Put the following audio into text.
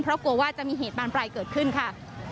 เพราะกลัวว่าจะมีเหตุบานปลายเกิดขึ้นค่ะ